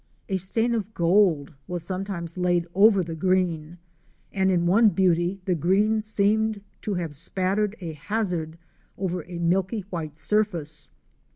A stain of gold was sometimes laid over the green, and in one beauty the green seemed to have been spattered at hazard over a milky white surface.